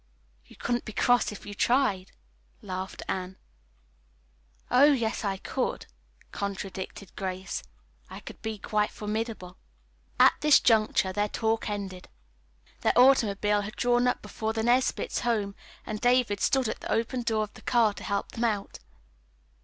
"You couldn't be cross if you tried," laughed Anne. "Oh, yes I could," contradicted Grace. "I could be quite formidable." At this juncture their talk ended. Their automobile had drawn up before the Nesbits' home and David stood at the open door of the car to help them out.